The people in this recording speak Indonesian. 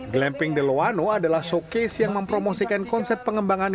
glamping de loano adalah showcase yang mempromosikan konsep pengembangan